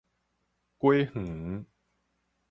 果園